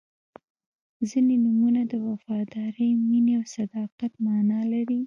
• ځینې نومونه د وفادارۍ، مینې او صداقت معنا لري.